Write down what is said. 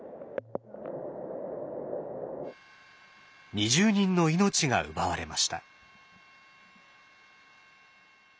２０人の命が奪われました。